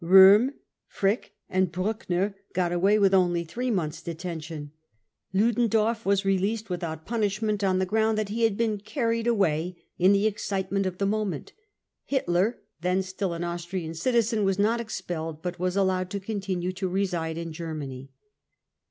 Rohm, Frick and Bruckner got away with only three months 5 detention. Ludendorff was released without punishment, on the ground that he had been carried away in the excitement of the moment. Hitler, then still an Austrian citizen, was not expelled but was allowed to continue to reside in Germany.